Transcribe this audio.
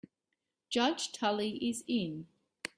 Judge Tully is in.